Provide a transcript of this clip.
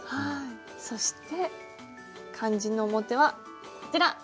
そして肝心の表はこちら。